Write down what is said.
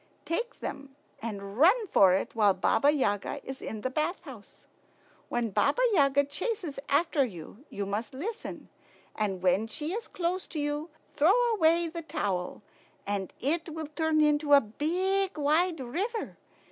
Take them and run for it while Baba Yaga is in the bath house. When Baba Yaga chases after you, you must listen; and when she is close to you, throw away the towel, and it will turn into a big, wide river.